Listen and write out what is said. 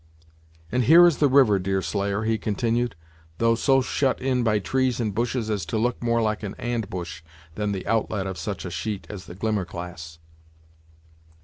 "And here is the river, Deerslayer," he continued, "though so shut in by trees and bushes as to look more like an and bush, than the outlet of such a sheet as the Glimmerglass."